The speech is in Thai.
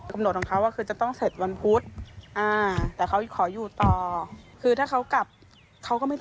กำหนดของเขาคือจะต้องเสร็จวันพุธ